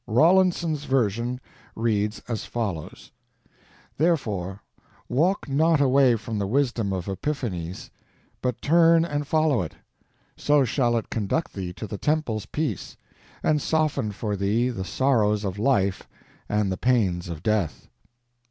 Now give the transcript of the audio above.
Rawlinson's version reads as follows: Therefore, walk not away from the wisdom of Epiphanes, but turn and follow it; so shall it conduct thee to the temple's peace, and soften for thee the sorrows of life and the pains of death.